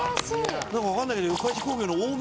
何か分かんないけど。